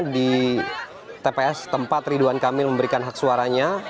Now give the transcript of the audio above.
di tps tempat ridwan kamil memberikan hak suaranya